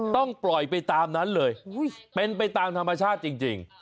ต้องปล่อยไปตามนั้นเลยเป็นไปตามธรรมชาติจริง